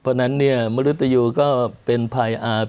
เพราะฉะนั้นเนี่ยมนุษยูก็เป็นภัยอาจ